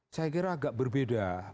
saya kira agak berbeda